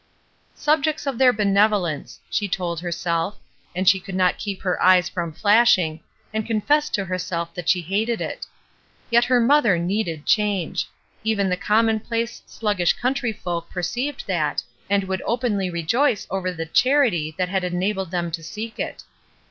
"Subjects of their benevolence!" she told herself, and she could not keep her eyes from flashing, and confessed to herself that she hated it Yet her mother needed change; even the commonplace, sluggish country folk perceived that, and would openly rejoice over the" charity that had enabled them to seek it.